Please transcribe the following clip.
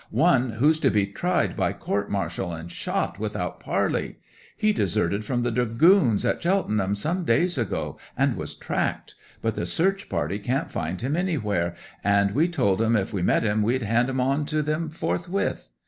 "One who's to be tried by court martial and shot without parley. He deserted from the Dragoons at Cheltenham some days ago, and was tracked; but the search party can't find him anywhere, and we told 'em if we met him we'd hand him on to 'em forthwith.